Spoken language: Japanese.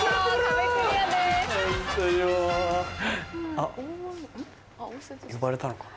あっ呼ばれたのかな？